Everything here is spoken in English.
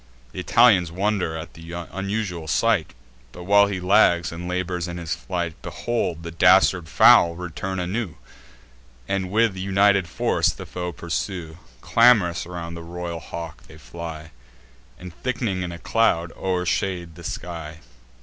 Th' Italians wonder at th' unusual sight; But, while he lags, and labours in his flight, Behold, the dastard fowl return anew, And with united force the foe pursue: Clam'rous around the royal hawk they fly, And, thick'ning in a cloud, o'ershade the sky.